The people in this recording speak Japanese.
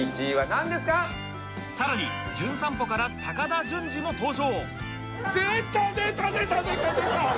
更に『じゅん散歩』から高田純次も登場